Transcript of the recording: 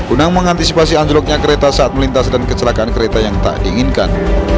unang mengantisipasi anjloknya kereta saat melintas dan kecelakaan kereta yang tak diinginkan